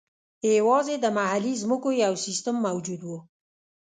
یوازې د محلي ځمکو یو سیستم موجود و.